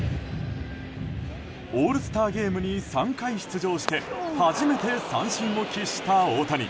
オールスターゲームに３回出場して初めて三振を喫した大谷。